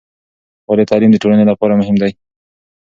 ولې تعلیم د ټولنې لپاره مهم دی؟